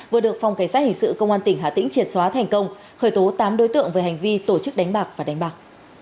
vừa được phòng cảnh sát hình sự công an tỉnh hà tĩnh triệt xóa thành công khởi tố tám đối tượng về hành vi tổ chức đánh bạc và đánh bạc